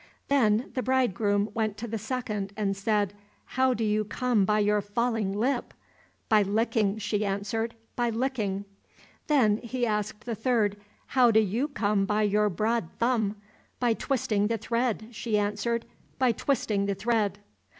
Then the bridegroom went to the second, and said, "How do you come by your falling lip?" "By licking," she answered, "by licking." Then he asked the third, "How do you come by your broad thumb?" "By twisting the thread," she answered, "by twisting the thread."